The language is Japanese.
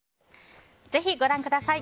ぜひ、ご覧ください。